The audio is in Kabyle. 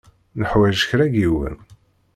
Neḥwaj kra n yiwen.